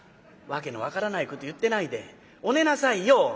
「わけの分からないこと言ってないでお寝なさいよ」。